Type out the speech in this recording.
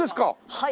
はい。